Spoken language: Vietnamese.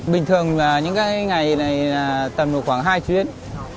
bình thường là những cái ngày này là tầm được khoảng hai chuyến